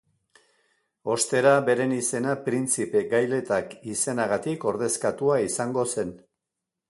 Ostera beren izena printzipe gailetak izenagatik ordezkatua izango zen.